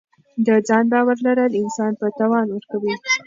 د ځان باور لرل انسان ته توان ورکوي.